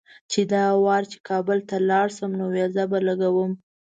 چې دا وار چې کابل ته لاړم نو ویزه به لګوم.